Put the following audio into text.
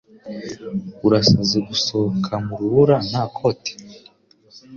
Urasaze gusohoka mu rubura nta koti.